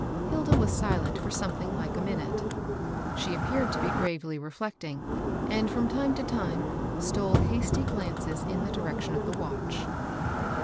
Hilda was silent for something hke a minute. She appeared to be gravely reflecting, and, from time to time, stole hasty glances in the direction of the watch.